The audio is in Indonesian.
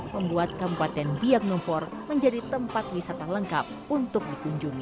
membuat kempaten biak nufor menjadi tempat wisata lengkap untuk dikunjungi